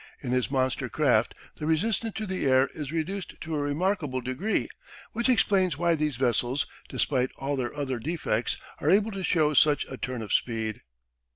In his monster craft the resistance to the air is reduced to a remarkable degree, which explains why these vessels, despite all their other defects are able to show such a turn of speed.